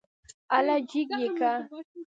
اله جګ يې که.